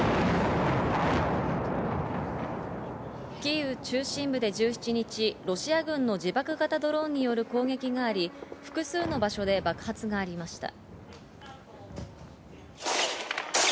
キーウ中心部で１７日、ロシア軍の自爆型ドローンによる攻撃があり、複数の場所で爆発がありました。